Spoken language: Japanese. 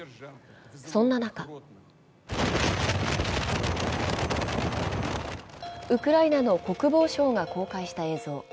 そんな中ウクライナの国防省が公開した映像。